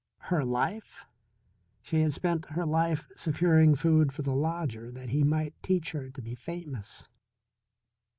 Her life? She had spent her life securing food for the lodger that he might teach her to be famous.